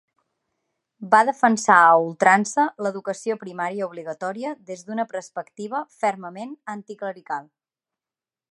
Va defensar a ultrança l'educació primària obligatòria des d'una perspectiva fermament anticlerical.